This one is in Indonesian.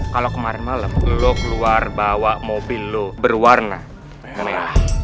kalau kemarin malam lo keluar bawa mobil lo berwarna merah